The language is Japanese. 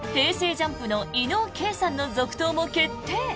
ＪＵＭＰ伊野尾慧さんの続投も決定。